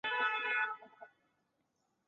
他成为一个步大力雄的中场球员。